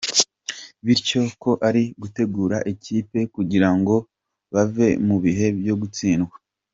bityo ko ari gutegura ikipe kugira ngo bave mu bihe byo gutsindwa.